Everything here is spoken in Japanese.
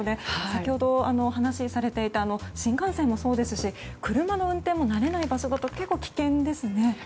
先ほどお話しされていた新幹線もそうですし車の運転も慣れない場所だと結構、危険ですね。